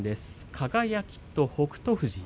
輝と北勝富士。